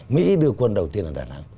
mỹ đưa quân đầu tiên là đà nẵng